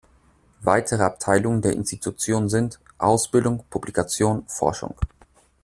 Weitere Abteilungen der Institution sind: Ausbildung, Publikation, Forschung.